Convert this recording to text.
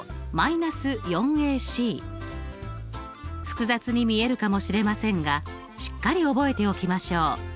複雑に見えるかもしれませんがしっかり覚えておきましょう。